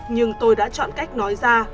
nhưng tôi đã chọn cách nói ra